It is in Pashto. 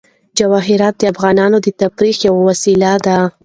جواهرات د افغانانو د تفریح یوه وسیله ده.